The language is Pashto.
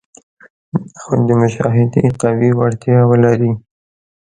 او د مشاهدې قوي وړتیا ولري.